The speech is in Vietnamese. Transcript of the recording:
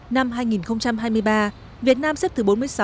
năm hai nghìn hai mươi ba việt nam xếp thứ bốn mươi sáu